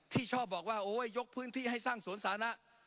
ที่ชอบบอกว่าโอ๊ยกพื้นที่ให้สร้างสวนสาธารณะ